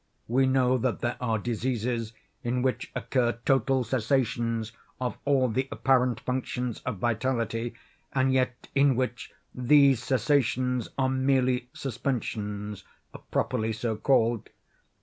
We know that there are diseases in which occur total cessations of all the apparent functions of vitality, and yet in which these cessations are merely suspensions, properly so called.